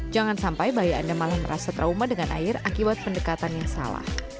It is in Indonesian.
jangan sampai bayi anda malah merasa trauma dengan air akibat pendekatan yang salah